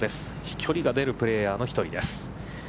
飛距離が出るプレーヤーの１人です。